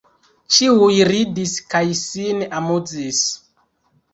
Ĉiuj ridis kaj sin amuzis.